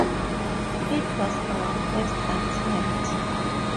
It was our first attempt.